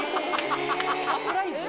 サプライズ？